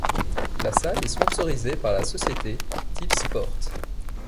La salle est sponsorisée par la société Tipsport.